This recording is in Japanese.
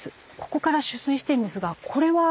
ここから取水してるんですがこれは？